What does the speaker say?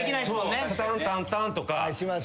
そうタタンタンタンとか。